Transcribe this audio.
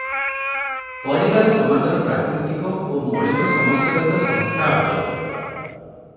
ପରିବାର ସମାଜର ପ୍ରାକୃତିକ ଓ ମୌଳିକ ସମଷ୍ଟିଗତ ସଂସ୍ଥା ଅଟେ ।